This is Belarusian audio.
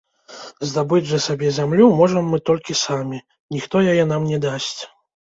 Здабыць жа сабе зямлю можам мы толькі самі, ніхто яе нам не дасць.